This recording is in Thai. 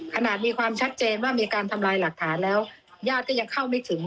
ขนาดมีความชัดเจนว่ามีการทำลายหลักฐานแล้วญาติก็ยังเข้าไม่ถึง